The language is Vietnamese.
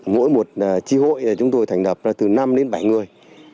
mỗi một tri hội chúng tôi thành đập từ năm đến bảy người